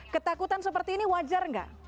ketakutan seperti ini wajar nggak